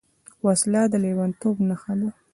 وسله د لېونتوب نښه ده